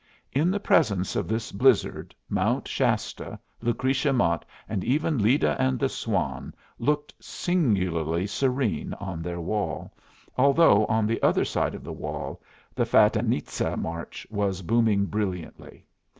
In the presence of this blizzard, Mount Shasta, Lucretia Mott, and even Leda and the Swan looked singularly serene on their wall, although on the other side of the wall the "Fatinitza" march was booming brilliantly.